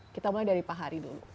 kita mulai dari pak hari dulu